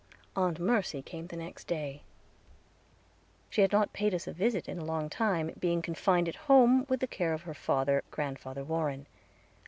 Aunt Mercy came the next day. She had not paid us a visit in a long time, being confined at home with the care of her father, Grandfather Warren.